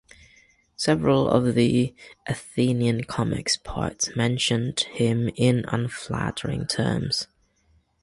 Several of the Athenian comic poets mentioned him in unflattering terms.